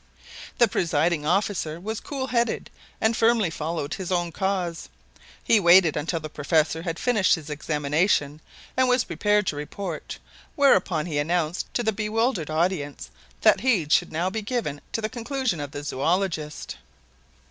The presiding officer was cool headed and firmly followed his own cause. He waited until the professor had finished his examination and was prepared to report, whereupon he announced to the bewildered audience that heed should now be given to the conclusion of the zoologist.